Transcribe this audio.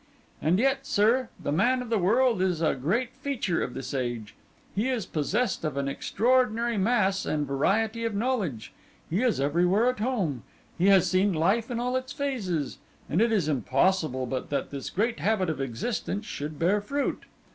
And yet, sir, the man of the world is a great feature of this age; he is possessed of an extraordinary mass and variety of knowledge; he is everywhere at home; he has seen life in all its phases; and it is impossible but that this great habit of existence should bear fruit.